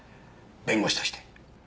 弁護士として。